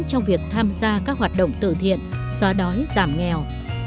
trong việc tham gia các hoạt động tự thiện xóa đói giảm nghèo